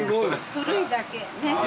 古いだけねっ。